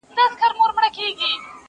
پر يارانو شنې پيالې ډكي له مُلو،